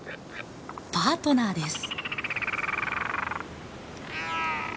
パートナーです。